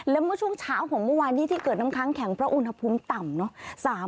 และเมื่อช่วงเช้าของเมื่อวานนี้ที่เกิดน้ำค้างแข็งเพราะอุณหภูมิต่ำเนอะ